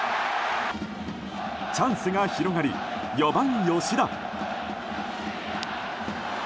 チャンスが広がり４番、吉田。